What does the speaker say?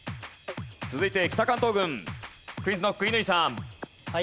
続いて北関東軍クイズノック乾さん。